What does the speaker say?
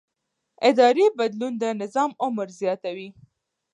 اداري بدلون د نظام عمر زیاتوي